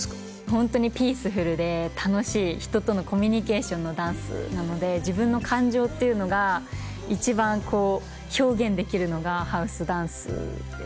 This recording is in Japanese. ホントにピースフルで楽しい人とのコミュニケーションのダンスなので自分の感情っていうのが一番表現できるのがハウスダンスです。